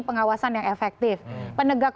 pengawasan yang efektif penegak